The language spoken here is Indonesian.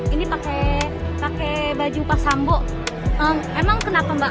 ini pakai pakai baju pasambo emang kenapa mbak